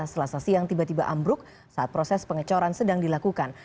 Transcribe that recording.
selasa siang tiba tiba ambruk saat proses pengecoran sedang dilakukan